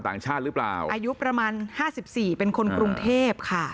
ต่างชาติหรือเปล่าอายุประมาณ๕๔เป็นคนกรุงเทพค่ะ